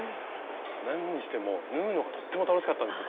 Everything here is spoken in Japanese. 何にしても縫うのがとっても楽しかったんです。